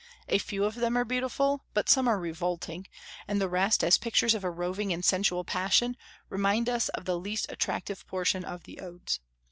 A few of them are beautiful, but some are revolting, and the rest, as pictures of a roving and sensual passion, remind us of the least attractive portion of the Odes.